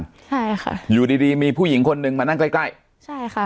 ใช่ค่ะอยู่ดีดีมีผู้หญิงคนหนึ่งมานั่งใกล้ใกล้ใช่ค่ะ